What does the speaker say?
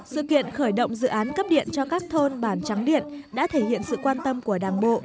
sự kiện khởi động dự án cấp điện cho các thôn bản trắng điện đã thể hiện sự quan tâm của đảng bộ